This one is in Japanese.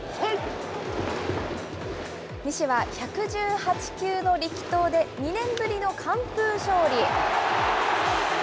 西は１１８球の力投で、２年ぶりの完封勝利。